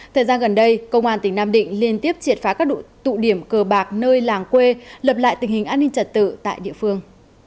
thời gian gần đây công an tỉnh nam định liên tiếp triệt phá các tụ điểm cờ bạc nơi làng quê lập lại tình hình an ninh trật tự tại địa phương